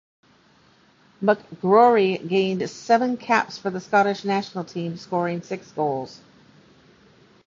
McGrory gained seven caps for the Scottish national team scoring six goals.